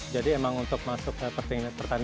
jadi emang untuk masuk ke pertandingan internasional